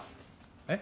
えっ？